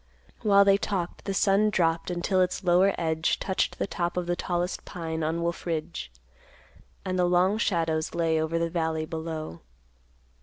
While they talked, the sun dropped until its lower edge touched the top of the tallest pine on Wolf Ridge, and the long shadows lay over the valley below.